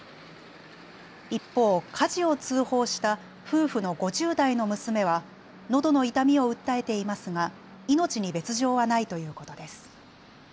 一方、火事を通報した夫婦の５０代の娘はのどの痛みを訴えていますが命に別状はないということです。